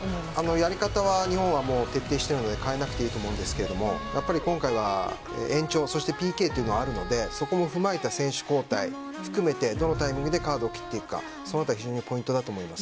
やり方は日本は徹底しているので変えなくていいと思うんですが今回は延長そしてＰＫというのがあるのでそこを踏まえた選手交代含めてどのタイミングでカードを切っていくかそのあたりがポイントだと思います。